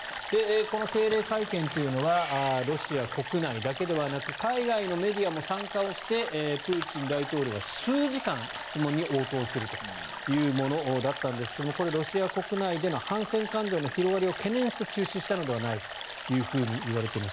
この定例会見というのはロシア国内だけではなく海外のメディアも参加してプーチン大統領が数時間、質問に応答するものだったんですがこれ、ロシア国内での反戦感情の広がりを懸念して中止したのではないかといわれています。